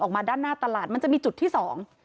ออกมาด้านหน้าตลาดมันจะมีจุดที่สอง